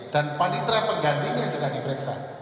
dan panitra penggantinya juga diperiksa